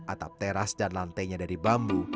atap teras dan lantainya dari bambu